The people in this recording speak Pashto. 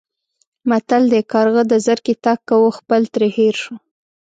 متل دی: کارغه د زرکې تګ کاوه خپل ترې هېر شو.